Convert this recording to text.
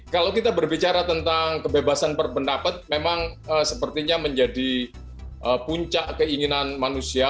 kalau kita berbicara tentang kebebasan berpendapat memang sepertinya menjadi puncak keinginan manusia